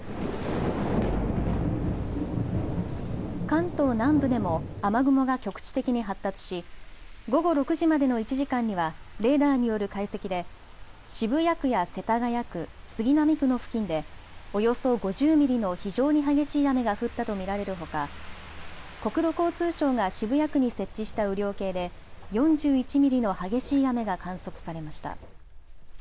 関東南部でも雨雲が局地的に発達し午後６時までの１時間にはレーダーによる解析で渋谷区や世田谷区、杉並区の付近でおよそ５０ミリの非常に激しい雨が降ったと見られるほか国土交通省が渋谷区に設置した雨量計で４１ミリの激しい雨が観測されました。